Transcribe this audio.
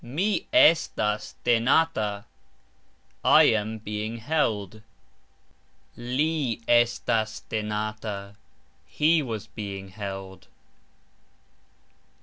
Mi estas tenata ............. I am (being) held. Li estis tenata ............. He was (being) held.